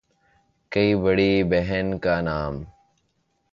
کی بڑی بہن کا نام